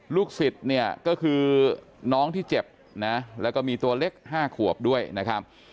ลูกศิษย์เนี่ยก็คือน้องที่เจ็บนะแล้วก็มีตัวเล็ก๕ขวบด้วยนะครับ